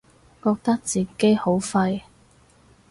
覺得自己好廢